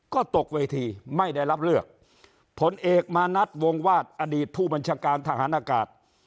ก็ตกเวทีไม่ได้รับเลือกผลเอกมานัดวงวาดอดีตผู้บัญชาการทหารอากาศ